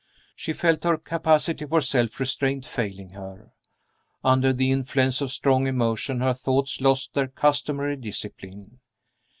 She felt her capacity for self restraint failing her. Under the influence of strong emotion her thoughts lost their customary discipline.